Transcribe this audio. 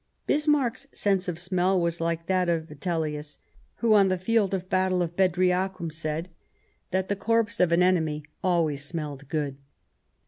Bismarck's sense of smell was like that of Vitellius, who on the field of battle of Bedriacum said that the 146 The War of 1870 corpse of an enemy always smelled good.